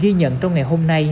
ghi nhận trong ngày hôm nay